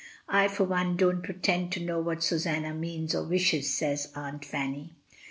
"I for one don't pretend to know what Susanna means or wishes," says Aunt Fanny.